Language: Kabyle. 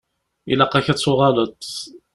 Ilaq-ak ad tuɣaleḍ.